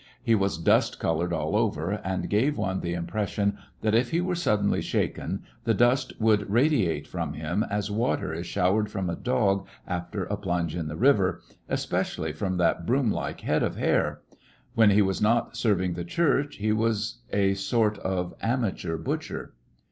He was dust colored all over, and gave one the impression that if he were suddenly shaken the dust would radiate from him as water is showered from a dog after a plunge in the river, especially from that broom like head of hadr. When he was not serving the church he was a sort of amateur butcher.